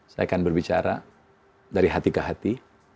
saya akan berbicara dari hati ke hati